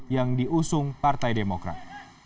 yang diusung partai demokrat